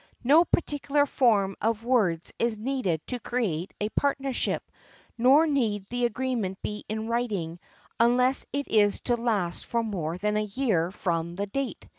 No particular form of words is needed to create a partnership, nor need the agreement be in writing unless it is to last for more than a year from the date.